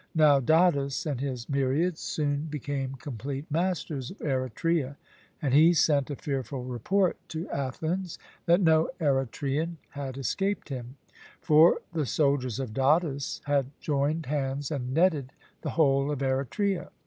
Now Datis and his myriads soon became complete masters of Eretria, and he sent a fearful report to Athens that no Eretrian had escaped him; for the soldiers of Datis had joined hands and netted the whole of Eretria.